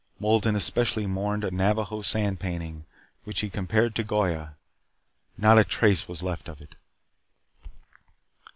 Wolden especially mourned a Navajo sand painting, which he compared to Goya. Not a trace was left of it.